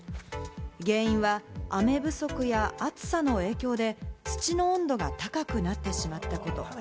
原因は雨不足や暑さの影響で土の温度が高くなってしまったこと。